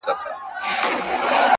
د کار ارزښت په پایله نه محدودېږي,